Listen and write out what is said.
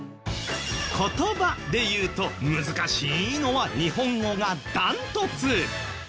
言葉でいうと難しいのは日本語がダントツ。